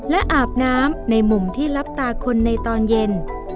และอาบน้ำในมุมที่รับตาคนในตอนเย็น